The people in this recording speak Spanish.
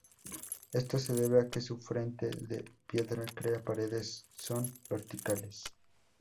Esto se debe a que su frente de piedra crea paredes son verticales.